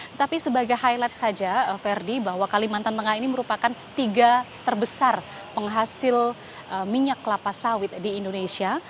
tetapi sebagai highlight saja ferdi bahwa kalimantan tengah ini merupakan tiga terbesar penghasil minyak kelapa sawit di indonesia